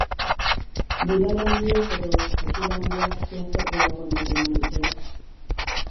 Bular handiek edo zakin handiak plazer gehiago ematen al dute?